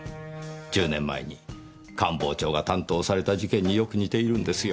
１０年前に官房長が担当された事件によく似ているんですよ。